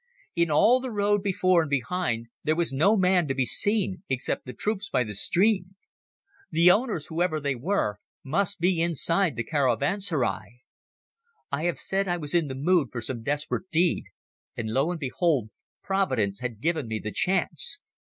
In all the road before and behind there was no man to be seen except the troops by the stream. The owners, whoever they were, must be inside the caravanserai. I have said I was in the mood for some desperate deed, and lo and behold providence had given me the chance!